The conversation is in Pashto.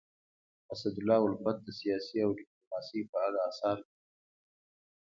اسدالله الفت د سیاست او ډيپلوماسی په اړه اثار لیکلي دي.